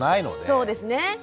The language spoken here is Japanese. そうですね。